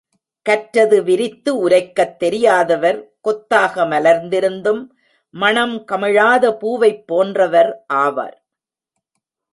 கற்றது விரித்து உரைக்கத் தெரியாதவர் கொத்தாக மலர்ந்திருந்தும் மணம் கமழாத பூவைப் போன்றவர் ஆவர்.